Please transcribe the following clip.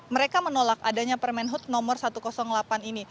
mereka menolak adanya permen hub nomor satu ratus delapan ini